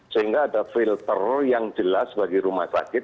sehingga ada filter yang jelas bagi rumah sakit